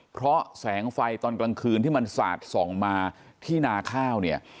เพราะแสงไฟตอนกลางคืนที่มันสาดส่องมาที่นาข้าวเนี่ย